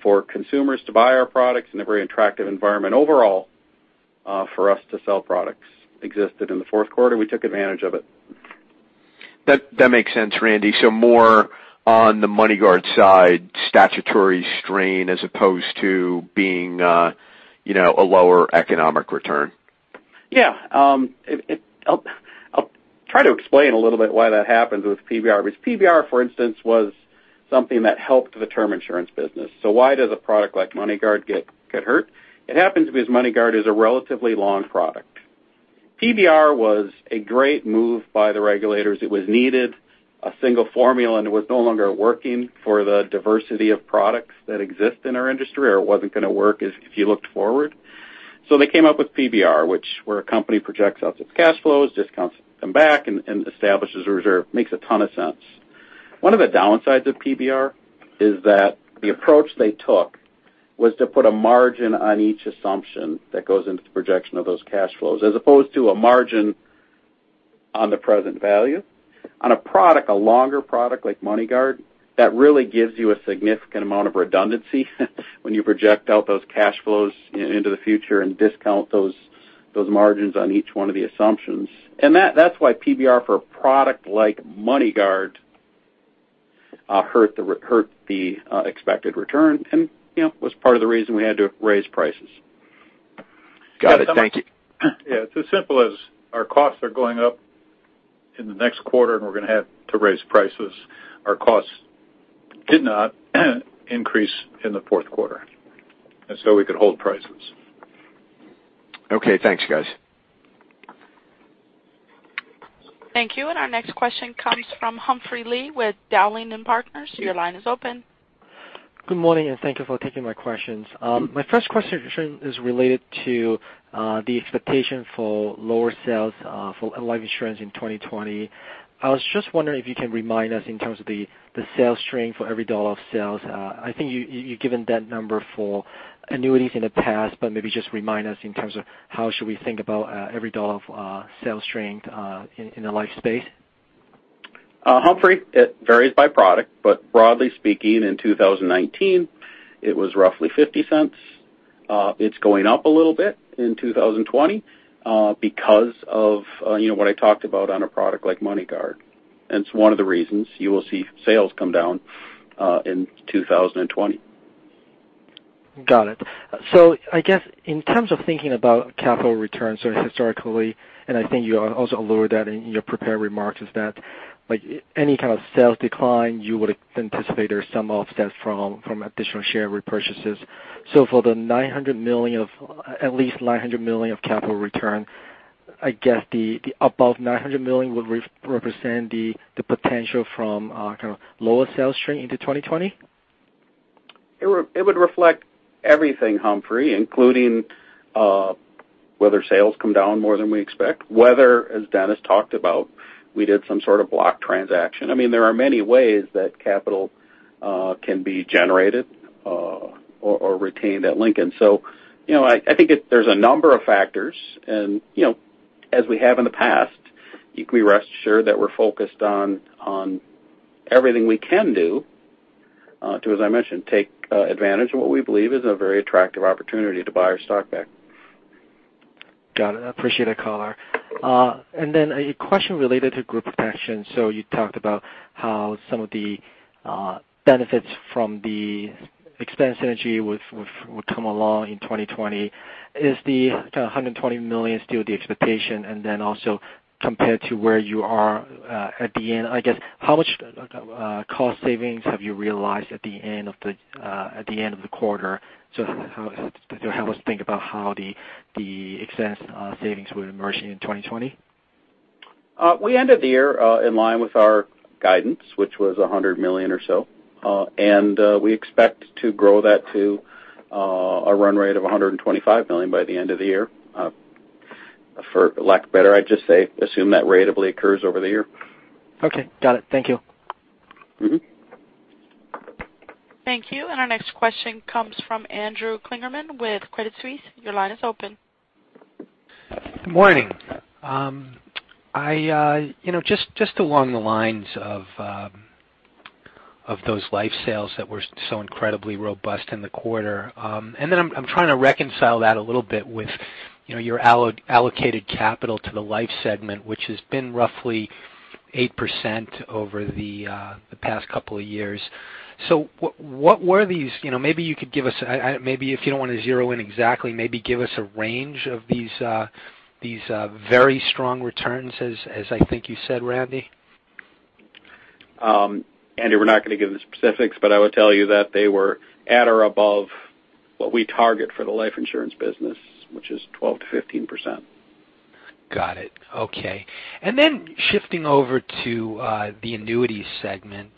for consumers to buy our products and a very attractive environment overall for us to sell products existed in the fourth quarter. We took advantage of it. That makes sense, Randy. More on the MoneyGuard side, statutory strain as opposed to being a lower economic return. Yeah. Try to explain a little bit why that happens with PBR, because PBR, for instance, was something that helped the term insurance business. Why does a product like MoneyGuard get hurt? It happens because MoneyGuard is a relatively long product. PBR was a great move by the regulators. It was needed. A single formula, and it was no longer working for the diversity of products that exist in our industry, or it wasn't going to work if you looked forward. They came up with PBR, which where a company projects out its cash flows, discounts them back, and establishes a reserve. Makes a ton of sense. One of the downsides of PBR is that the approach they took was to put a margin on each assumption that goes into the projection of those cash flows, as opposed to a margin on the present value. On a product, a longer product like MoneyGuard, that really gives you a significant amount of redundancy when you project out those cash flows into the future and discount those margins on each one of the assumptions. That's why PBR, for a product like MoneyGuard, hurt the expected return and was part of the reason we had to raise prices. Got it. Thank you. Yeah. It's as simple as our costs are going up in the next quarter, and we're going to have to raise prices. Our costs did not increase in the fourth quarter, and so we could hold prices. Okay, thanks, guys. Thank you. Our next question comes from Humphrey Lee with Dowling & Partners. Your line is open. Good morning, and thank you for taking my questions. My first question is related to the expectation for lower sales for life insurance in 2020. I was just wondering if you can remind us in terms of the sales strain for every dollar of sales. I think you've given that number for annuities in the past, but maybe just remind us in terms of how should we think about every dollar of sales strain in the life space. Humphrey, it varies by product. Broadly speaking, in 2019, it was roughly $0.50. It's going up a little bit in 2020 because of what I talked about on a product like MoneyGuard. It's one of the reasons you will see sales come down in 2020. Got it. I guess in terms of thinking about capital returns historically, I think you also alluded that in your prepared remarks, is that any kind of sales decline, you would anticipate there's some offset from additional share repurchases. For at least $900 million of capital return, I guess the above $900 million would represent the potential from kind of lower sales strain into 2020? It would reflect everything, Humphrey, including whether sales come down more than we expect, whether, as Dennis talked about, we did some sort of block transaction. There are many ways that capital can be generated or retained at Lincoln. I think there's a number of factors. As we have in the past, you can rest assured that we're focused on everything we can do to, as I mentioned, take advantage of what we believe is a very attractive opportunity to buy our stock back. Got it. I appreciate the color. Then a question related to group protection. You talked about how some of the benefits from the expense synergy would come along in 2020. Is the kind of $120 million still the expectation? Then also compared to where you are at the end, I guess, how much cost savings have you realized at the end of the quarter? Have us think about how the expense savings would emerge in 2020. We ended the year in line with our guidance, which was $100 million or so. We expect to grow that to a run rate of $125 million by the end of the year. For lack better, I'd just say assume that ratably occurs over the year. Okay. Got it. Thank you. Thank you. Our next question comes from Andrew Kligerman with Credit Suisse. Your line is open. Good morning. Just along the lines of those life sales that were so incredibly robust in the quarter, I'm trying to reconcile that a little bit with your allocated capital to the life segment, which has been roughly 8% over the past couple of years. What were these? Maybe if you don't want to zero in exactly, maybe give us a range of these very strong returns as I think you said, Randy. Andrew, we're not going to give the specifics. I would tell you that they were at or above what we target for the life insurance business, which is 12%-15%. Got it. Okay. Shifting over to the annuity segment.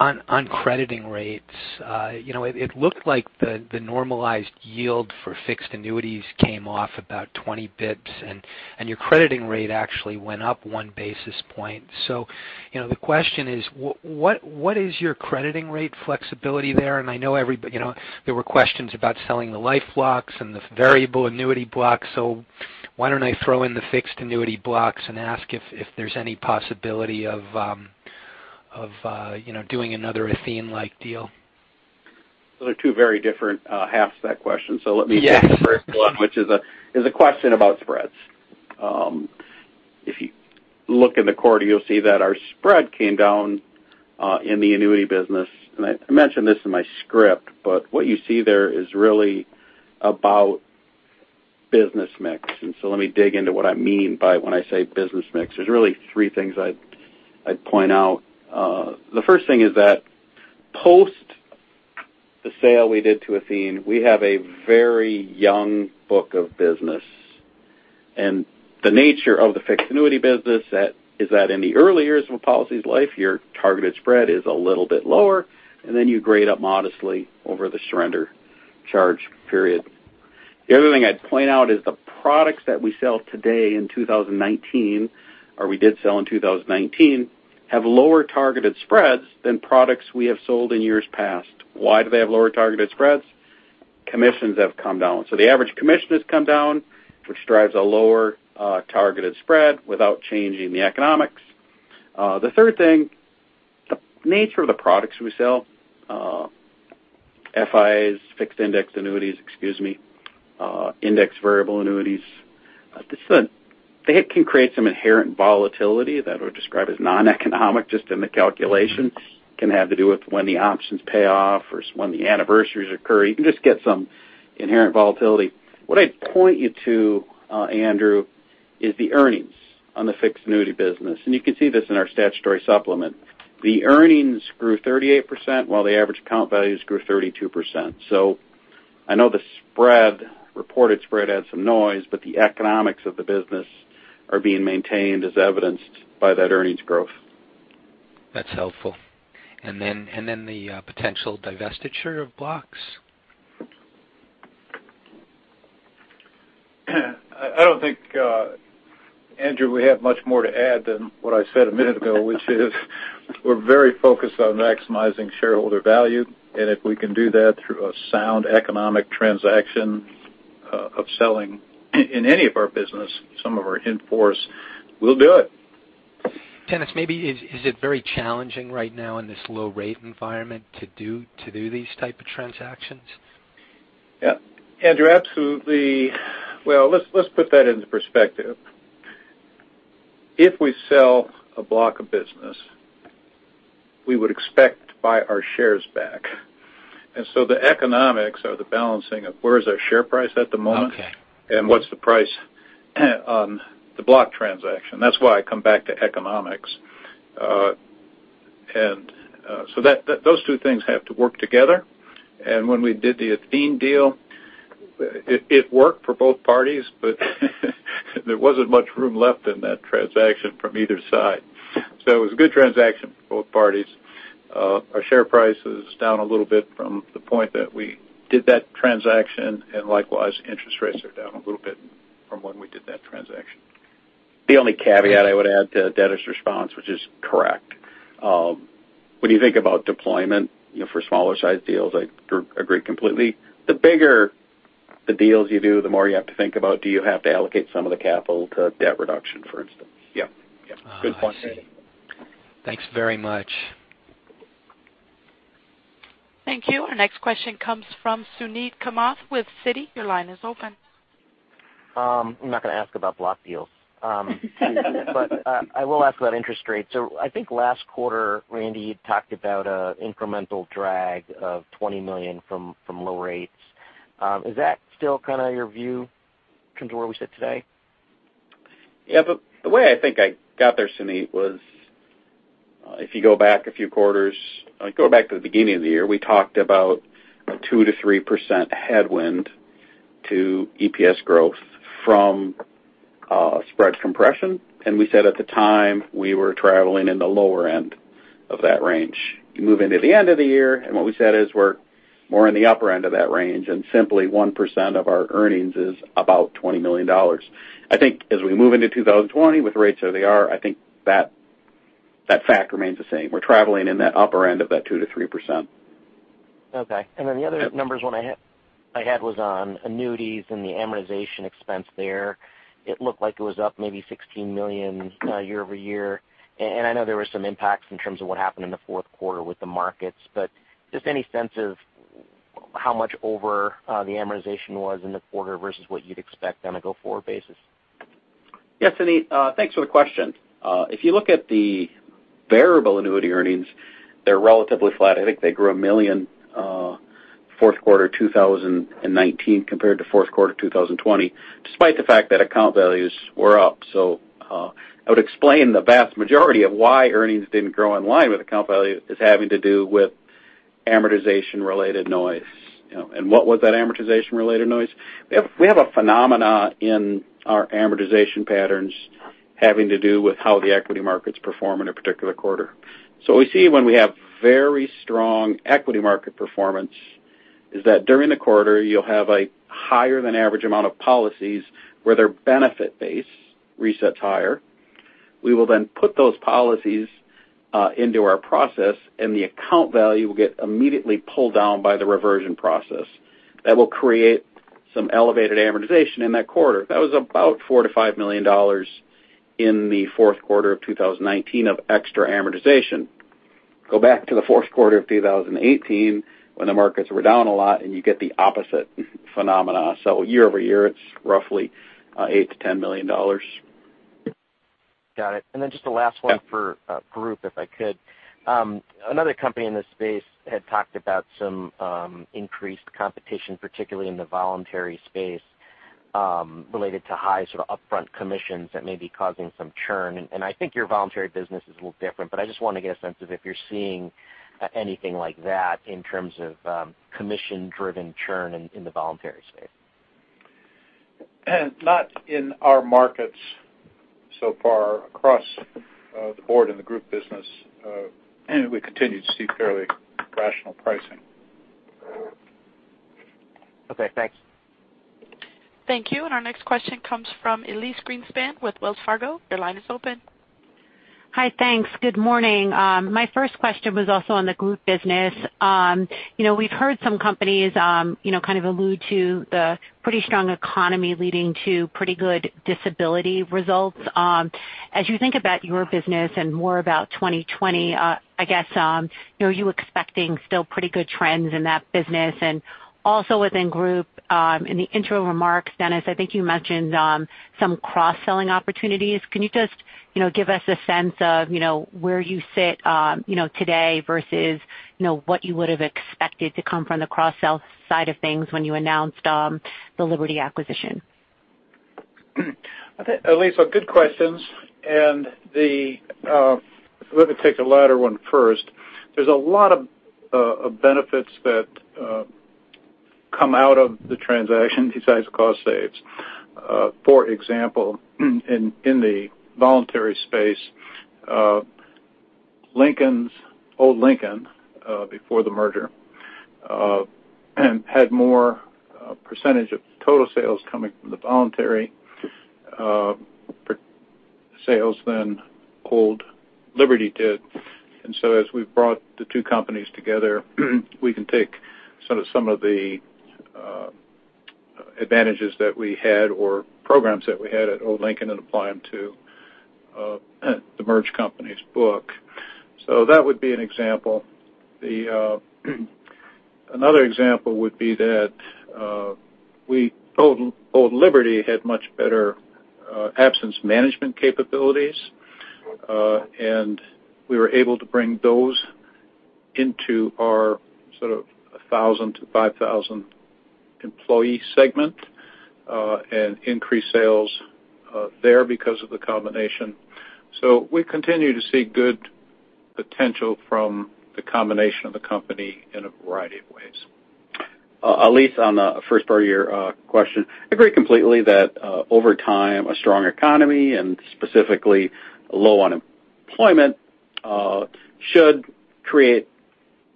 On crediting rates, it looked like the normalized yield for fixed annuities came off about 20 basis points, and your crediting rate actually went up one basis point. The question is, what is your crediting rate flexibility there? I know there were questions about selling the life blocks and the variable annuity blocks, why don't I throw in the fixed annuity blocks and ask if there's any possibility of doing another Athene-like deal? Those are two very different halves of that question. Yes Let me take the first one, which is a question about spreads. If you look in the quarter, you'll see that our spread came down in the annuity business. I mentioned this in my script, but what you see there is really about business mix. Let me dig into what I mean by when I say business mix. There's really three things I'd point out. The first thing is that post the sale we did to Athene, we have a very young book of business. The nature of the fixed annuity business is that in the early years of a policy's life, your targeted spread is a little bit lower, and then you grade up modestly over the surrender charge period. The other thing I'd point out is the products that we sell today in 2019, or we did sell in 2019, have lower targeted spreads than products we have sold in years past. Why do they have lower targeted spreads? Commissions have come down. The average commission has come down, which drives a lower targeted spread without changing the economics. The third thing, the nature of the products we sell, FIAs, fixed index annuities, excuse me, indexed variable annuities. They can create some inherent volatility that I would describe as non-economic, just in the calculation. Can have to do with when the options pay off or when the anniversaries occur. You can just get some inherent volatility. What I'd point you to, Andrew, is the earnings on the fixed annuity business, and you can see this in our statutory supplement. The earnings grew 38%, while the average account values grew 32%. I know the reported spread had some noise, but the economics of the business are being maintained, as evidenced by that earnings growth. That's helpful. The potential divestiture of blocks? I don't think, Andrew, we have much more to add than what I said a minute ago, which is we're very focused on maximizing shareholder value, and if we can do that through a sound economic transaction of selling in any of our business, some of our in-force, we'll do it. Dennis, maybe, is it very challenging right now in this low rate environment to do these type of transactions? Yeah, Andrew, absolutely. Well, let's put that into perspective. If we sell a block of business, we would expect to buy our shares back. The economics or the balancing of where is our share price at the moment. Okay What's the price on the block transaction. That's why I come back to economics. Those two things have to work together. When we did the Athene deal, it worked for both parties, there wasn't much room left in that transaction from either side. It was a good transaction for both parties. Our share price is down a little bit from the point that we did that transaction, likewise, interest rates are down a little bit from when we did that transaction. The only caveat I would add to Dennis' response, which is correct, when you think about deployment for smaller sized deals, I agree completely. The bigger the deals you do, the more you have to think about do you have to allocate some of the capital to debt reduction, for instance? Yeah. Good point, Randy. Thanks very much. Thank you. Our next question comes from Suneet Kamath with Citi. Your line is open. I'm not going to ask about block deals. I will ask about interest rates. I think last quarter, Randy, you talked about incremental drag of $20 million from low rates. Is that still kind of your view in terms of where we sit today? Yeah, the way I think I got there, Suneet, was if you go back a few quarters, go back to the beginning of the year, we talked about a 2%-3% headwind to EPS growth from spread compression, and we said at the time we were traveling in the lower end of that range. You move into the end of the year, and what we said is we're more in the upper end of that range, and simply 1% of our earnings is about $20 million. I think as we move into 2020 with rates where they are, I think that fact remains the same. We're traveling in that upper end of that 2%-3%. Okay. Then the other numbers one I had was on annuities and the amortization expense there. It looked like it was up maybe $16 million year-over-year. I know there were some impacts in terms of what happened in the fourth quarter with the markets, but just any sense of how much over the amortization was in the quarter versus what you'd expect on a go-forward basis? Yeah, Suneet. Thanks for the question. If you look at the variable annuity earnings, they're relatively flat. I think they grew $1 million fourth quarter 2019 compared to fourth quarter 2018, despite the fact that account values were up. I would explain the vast majority of why earnings didn't grow in line with account value is having to do with amortization-related noise. What was that amortization-related noise? We have a phenomenon in our amortization patterns having to do with how the equity markets perform in a particular quarter. What we see when we have very strong equity market performance is that during the quarter, you'll have a higher than average amount of policies where their benefit base resets higher. We will then put those policies into our process, and the account value will get immediately pulled down by the reversion process. That will create some elevated amortization in that quarter. That was about $4 million-$5 million in the fourth quarter of 2019 of extra amortization. Go back to the fourth quarter of 2018 when the markets were down a lot, and you get the opposite phenomenon. Year-over-year, it's roughly $8 million-$10 million. Got it. Then just the last one for Group, if I could. Another company in this space had talked about some increased competition, particularly in the voluntary space, related to high upfront commissions that may be causing some churn. I think your voluntary business is a little different, but I just want to get a sense of if you're seeing anything like that in terms of commission-driven churn in the voluntary space. Not in our markets so far. Across the board in the Group business, we continue to see fairly rational pricing. Okay, thanks. Thank you. Our next question comes from Elyse Greenspan with Wells Fargo. Your line is open. Hi, thanks. Good morning. My first question was also on the Group business. We've heard some companies kind of allude to the pretty strong economy leading to pretty good disability results. As you think about your business and more about 2020, I guess, are you expecting still pretty good trends in that business? Also within Group, in the intro remarks, Dennis, I think you mentioned some cross-selling opportunities. Can you just give us a sense of where you sit today versus what you would have expected to come from the cross-sell side of things when you announced the Liberty acquisition? Elyse, good questions. Let me take the latter one first. There's a lot of benefits that come out of the transaction besides cost saves. For example, in the voluntary space, old Lincoln, before the merger, had more percentage of total sales coming from the voluntary sales than old Liberty did. As we've brought the two companies together, we can take some of the advantages that we had or programs that we had at old Lincoln and apply them to the merged company's book. That would be an example. Another example would be that old Liberty had much better absence management capabilities, and we were able to bring those into our sort of 1,000 to 5,000 employee segment, and increase sales there because of the combination. We continue to see good potential from the combination of the company in a variety of ways. Elyse, on the first part of your question, I agree completely that over time, a strong economy and specifically low unemployment should create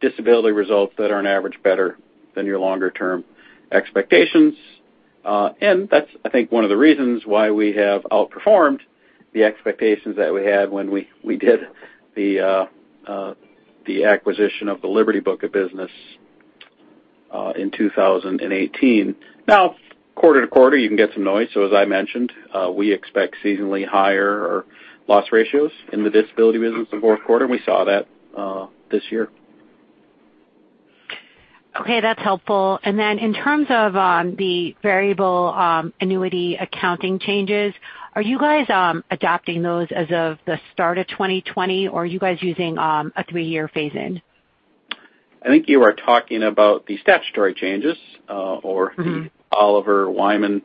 disability results that are on average better than your longer-term expectations. That's, I think, one of the reasons why we have outperformed the expectations that we had when we did the acquisition of the Liberty book of business in 2018. Now, quarter to quarter, you can get some noise. As I mentioned, we expect seasonally higher loss ratios in the disability business in the fourth quarter, and we saw that this year. Okay, that's helpful. In terms of the variable annuity accounting changes, are you guys adopting those as of the start of 2020, or are you guys using a three-year phase in? I think you are talking about the statutory changes or- The Oliver Wyman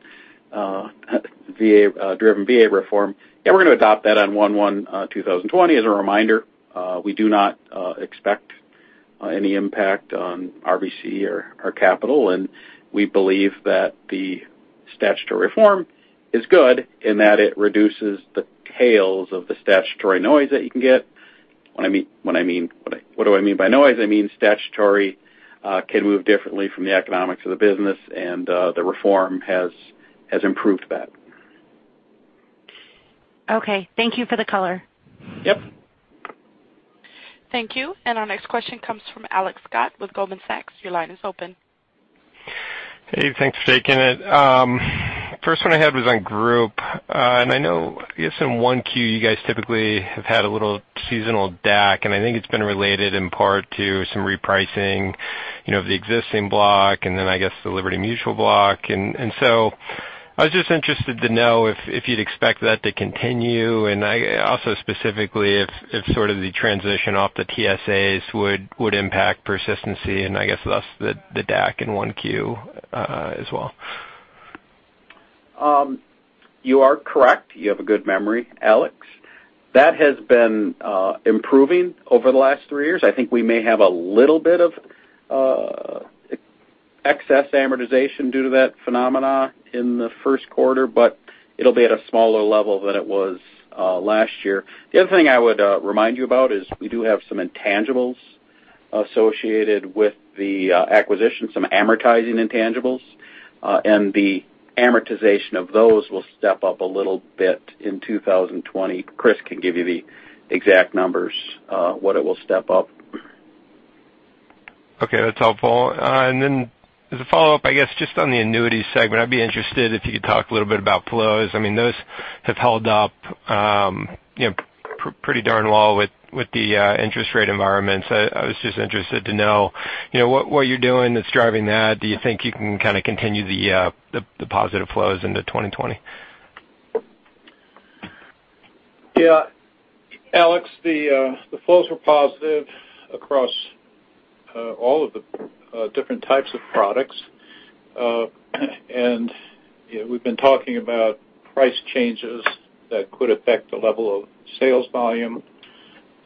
driven VA reform. We are going to adopt that on 01/01/2020. As a reminder, we do not expect any impact on RBC or capital, and we believe that the statutory reform is good in that it reduces the tails of the statutory noise that you can get. What do I mean by noise? I mean statutory can move differently from the economics of the business, the reform has improved that. Okay. Thank you for the color. Yep. Thank you. Our next question comes from Alex Scott with Goldman Sachs. Your line is open. Thanks for taking it. First one I had was on Group. I know, I guess in 1Q, you guys typically have had a little seasonal DAC, and I think it's been related in part to some repricing of the existing block and then I guess the Liberty Mutual block. I was just interested to know if you'd expect that to continue, and also specifically if sort of the transition off the TSAs would impact persistency and I guess thus the DAC in 1Q as well. You are correct. You have a good memory, Alex. That has been improving over the last three years. I think we may have a little bit of excess amortization due to that phenomena in the first quarter, but it'll be at a smaller level than it was last year. The other thing I would remind you about is we do have some intangibles associated with the acquisition, some amortizing intangibles. The amortization of those will step up a little bit in 2020. Chris can give you the exact numbers, what it will step up by. Okay, that's helpful. As a follow-up, I guess just on the annuity segment, I'd be interested if you could talk a little bit about flows. Those have held up pretty darn well with the interest rate environment. I was just interested to know what you're doing that's driving that. Do you think you can kind of continue the positive flows into 2020? Yeah. Alex, the flows were positive across all of the different types of products. We've been talking about price changes that could affect the level of sales volume,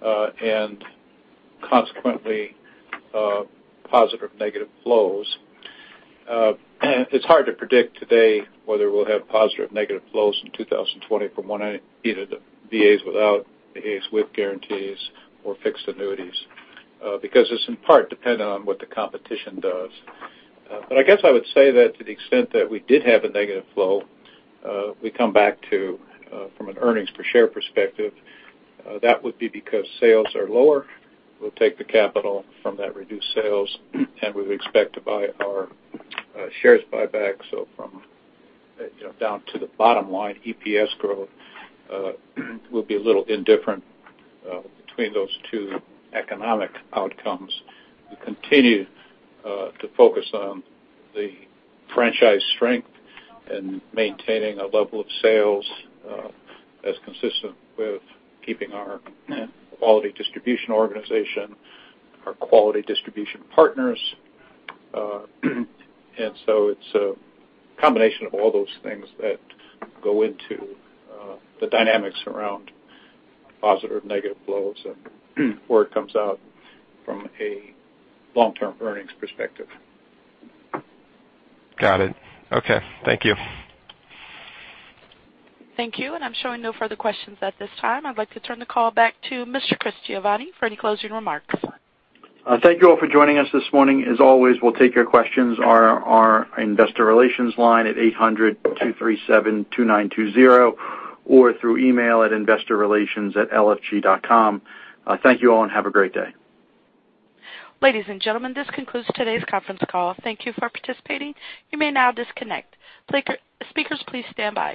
and consequently, positive or negative flows. It's hard to predict today whether we'll have positive or negative flows in 2020 from either the VAs without, VAs with guarantees or fixed annuities because it's in part dependent on what the competition does. I guess I would say that to the extent that we did have a negative flow, we come back to from an earnings per share perspective that would be because sales are lower. We'll take the capital from that reduced sales, and we would expect to buy our shares buyback. From down to the bottom line, EPS growth will be a little indifferent between those two economic outcomes. We continue to focus on the franchise strength and maintaining a level of sales that's consistent with keeping our quality distribution organization, our quality distribution partners. It's a combination of all those things that go into the dynamics around positive or negative flows and where it comes out from a long-term earnings perspective. Got it. Okay. Thank you. Thank you. I'm showing no further questions at this time. I'd like to turn the call back to Mr. Giovanni for any closing remarks. Thank you all for joining us this morning. As always, we'll take your questions on our investor relations line at 800-237-2920 or through email at investorrelations@lfg.com. Thank you all and have a great day. Ladies and gentlemen, this concludes today's conference call. Thank you for participating. You may now disconnect. Speakers, please stand by.